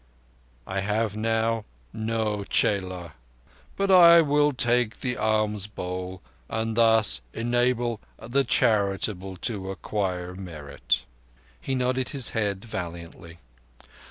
I have now no chela, but I will take the alms bowl and thus enable the charitable to acquire merit." He nodded his head valiantly.